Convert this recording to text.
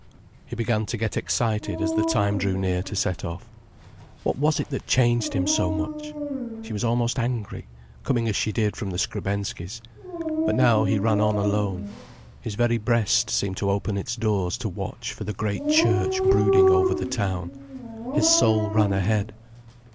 He began to get excited as the time drew near to set off. What was it that changed him so much? She was almost angry, coming as she did from the Skrebensky's. But now he ran on alone. His very breast seemed to open its doors to watch for the great church brooding over the town. His soul ran ahead.